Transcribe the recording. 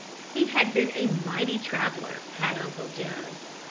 He had been a mighty traveller, had Uncle Joe.